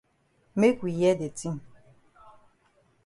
Make we hear de tin.